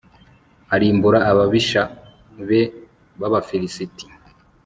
arimbura ababisha be b'abafilisiti